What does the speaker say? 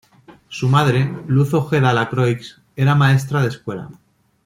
Su madre, Luz Ojeda Lacroix era maestra de escuela.